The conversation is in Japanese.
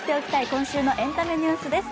今週のエンタメニュースです。